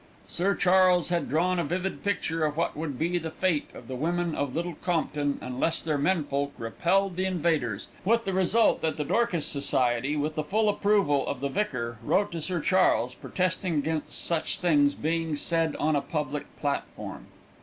Sir Charles had drawn a vivid picture of what would be the fate of the women of Little Compton unless their men folk repelled the invaders, with the result that the Dorcas Society, with the full approval of the vicar, wrote to Sir Charles protesting against such things being said on a public platform.